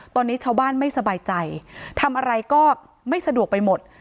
ตอนนี้ชาวบ้านไม่สบายใจทำอะไรก็ไม่สะดวกไปหมด